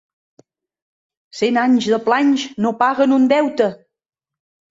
Cent anys de planys no paguen un deute.